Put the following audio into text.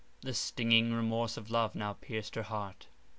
The stinging "remorse of love" now pierced her heart.